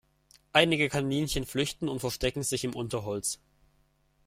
Einige Kaninchen flüchten und verstecken sich im Unterholz.